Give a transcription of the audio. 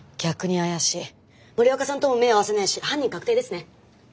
森若さんとも目合わせないし犯人確定ですね。